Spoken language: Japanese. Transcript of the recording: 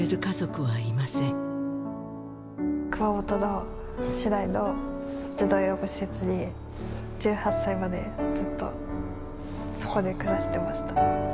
熊本市内の児童養護施設に、１８歳までずっとそこで暮らしていました。